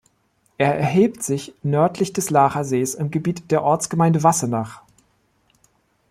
Er erhebt sich nördlich des Laacher Sees im Gebiet der Ortsgemeinde Wassenach.